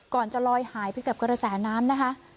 ก่อนจะลอยหายไปกับกระแสน้ำนะคะ